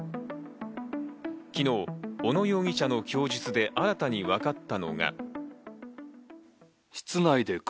昨日、小野容疑者の供述で新たに分かったのが。